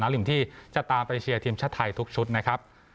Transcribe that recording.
หนึ่งที่จะตามไปเชียร์ทีมชาติไทยทุกชุดนะครับ